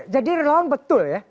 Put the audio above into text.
jadi relawan betul ya